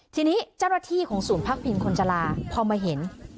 ทีนี้เจ้าหน้าที่ของศูนย์พักพิงคนจราพอมาเห็น